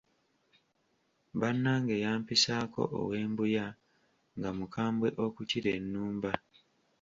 Bannange yampisaako ow'e Mbuya, nga mukambwe okukira ennumba!